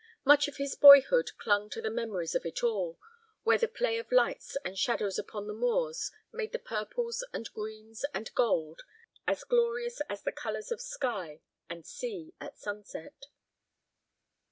Much of his boyhood clung to the memories of it all, where the play of lights and shadows upon the moors made the purples and greens and gold as glorious as the colors of sky and sea at sunset.